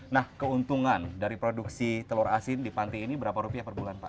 nah keuntungan dari produksi telur asin di panti ini berapa rupiah per bulan pak